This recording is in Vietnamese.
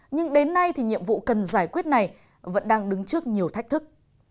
nhưng đến nay thì nhiệm vụ cần giải quyết này vẫn đang đứng trước nhiều thách thức